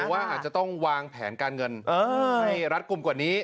ว่าอาจจะต้องวางแผนการเงินให้รัดกลุ่มกว่านี้